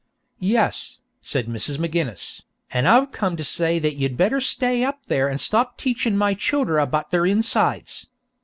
"Yes," said Mrs. McGinniss, "an' I've come to say that you'd better stay up there an' stop teachin' my childer about their insides.